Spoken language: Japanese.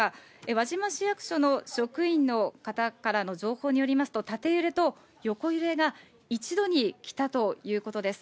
輪島市役所の職員の方からの情報によりますと、縦揺れと横揺れが一度に来たということです。